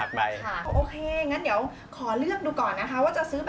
ได้เลย